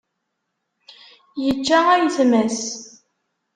Yečča ayetma-s.